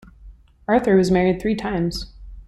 Arthur was married three times.